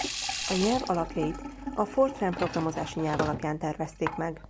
A nyelv alapjait a Fortran programozási nyelv alapján tervezték meg.